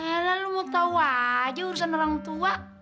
eh lo mau tau aja urusan orang tua